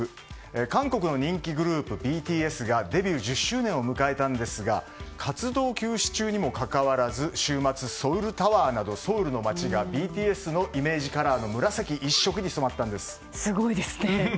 韓国の人気グループＢＴＳがデビュー１０周年を迎えたんですが活動休止中にもかかわらず週末、ソウルタワーなどソウルの街が、ＢＴＳのイメージカラーの紫一色にすごいですね！